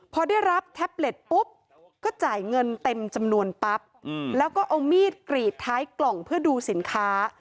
พอได้รับแท็บเล็ตปุ๊บก็จ่ายเงินเต็มจำนวนปั๊บแล้วก็เอามีดกรีดท้ายกล่องเพื่อดูสินค้า